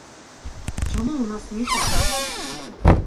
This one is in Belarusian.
Чаму ў нас не так?